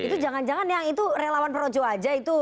itu jangan jangan yang itu relawan projo aja itu